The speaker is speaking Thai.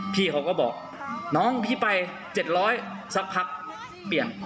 พี่เขาก็บอกน้องพี่ไป๗๐๐สักพักเปลี่ยน